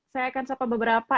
saya akan sapa beberapa